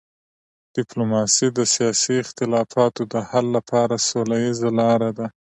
ډیپلوماسي د سیاسي اختلافاتو د حل لپاره سوله ییزه لار ده.